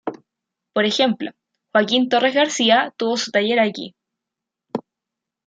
Por ejemplo, Joaquín Torres García tuvo su taller aquí.